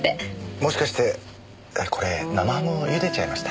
もしかしてこれ生ハムをゆでちゃいました？